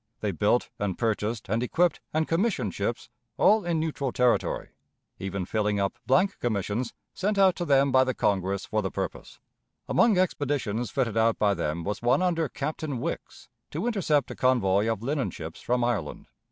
They built, and purchased, and equipped, and commissioned ships, all in neutral territory; even filling up blank commissions sent out to them by the Congress for the purpose. Among expeditions fitted out by them was one under Captain Wickes to intercept a convoy of linen ships from Ireland.